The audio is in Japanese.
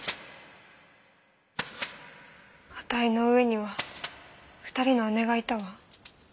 あたいの上には２人の姉がいたわ。